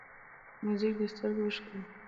موزیک د سترګو اوښکه ده.